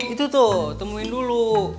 itu tuh temuin dulu